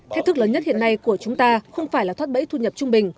thách thức lớn nhất hiện nay của chúng ta không phải là thoát bẫy thu nhập trung bình